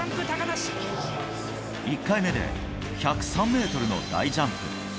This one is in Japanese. １回目で１０３ｍの大ジャンプ。